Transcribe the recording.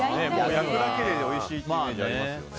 焼くだけでおいしいというイメージありますよね。